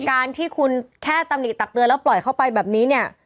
การที่คุณแค่ตำหิตักเตือนแล้วปล่อยเข้าไปแบบนี้เนี่ย